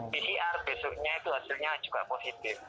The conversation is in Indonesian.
pcr besoknya itu hasilnya juga positif